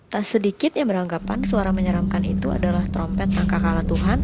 tak sedikit yang beranggapan suara menyeramkan itu adalah trompet sangka kalah tuhan